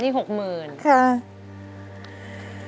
นี้๘๐๐๐๐บาท